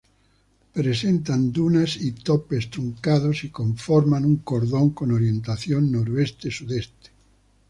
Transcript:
Presentan dunas y topes truncados, y conforman un cordón con orientación noroeste-sudeste.